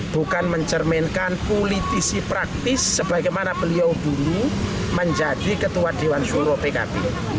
bukan mencerminkan politisi praktis sebagaimana beliau dulu menjadi ketua dewan suro pkb